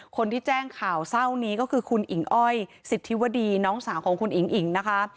คนที่แจ้งข่าวเศร้านี้ก็คือคุณอิ๋งอ้อยสิทธิวดีน้องสาวของคุณอิ๋งอิ๋งนะคะ